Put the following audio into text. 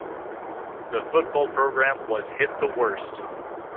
The football program was hit the worst.